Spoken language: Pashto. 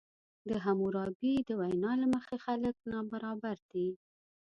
د حموربي د وینا له مخې خلک نابرابر دي.